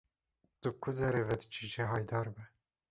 Tu bi ku derê ve diçî jê haydar be.